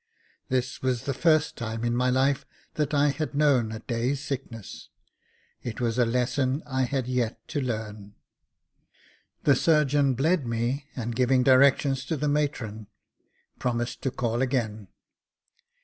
This was the first time in my life that I had known a day's sickness — it was a lesson I had yet to learn. The surgeon bled me, and giving directions to the matron, promised to call again.